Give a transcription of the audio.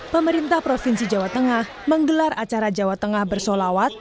pemerintah provinsi jawa tengah menggelar acara jawa tengah bersolawat